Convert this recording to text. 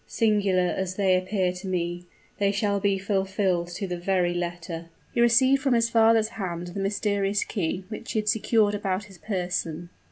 Singular as they appear to me, they shall be fulfilled to the very letter." He received from his father's hand the mysterious key, which he had secured about his person.